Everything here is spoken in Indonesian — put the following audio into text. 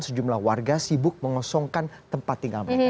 sejumlah warga sibuk mengosongkan tempat tinggal mereka